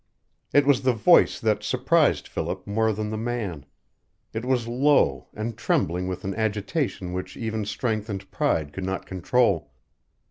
It was the voice that surprised Philip more than the man. It was low, and trembling with an agitation which even strength and pride could not control.